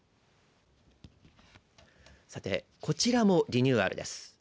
さて、こちらもリニューアルです。